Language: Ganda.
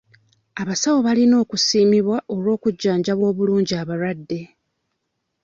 Abasawo balina okusiimibwa olw'okujjanjaba obulungi abalwadde.